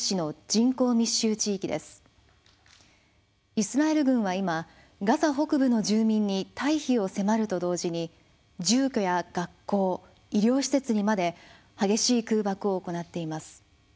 イスラエル軍は今ガザ北部の住民に退避を迫ると同時に住居や学校医療施設にまで激しい空爆を行っています。